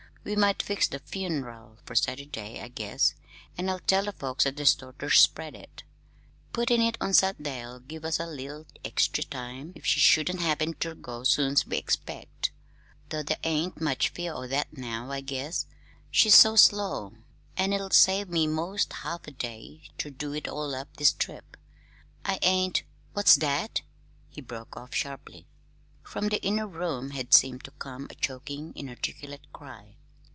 "We might fix the fun'ral for Saturday, I guess, an' I'll tell the folks at the store ter spread it. Puttin' it on Sat'day'll give us a leetle extry time if she shouldn't happen ter go soon's we expect though there ain't much fear o' that now, I guess, she's so low. An' it'll save me 'most half a day ter do it all up this trip. I ain't what's that?" he broke off sharply. From the inner room had seemed to come a choking, inarticulate cry.